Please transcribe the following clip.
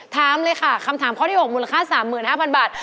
ถามเลยค่ะคำถามข้อที่๖มูลค่า๓๕๐๐บาท